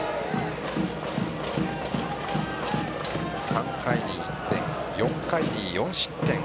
３回に１点４回に４失点。